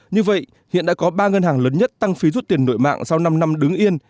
như vậy hiện đã có ba ngân hàng lớn nhất tăng phí rút tiền nội mạng sau năm năm đứng yên